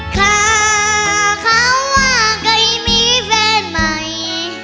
คาเค้าว่าใกล้มีแฟนใหม่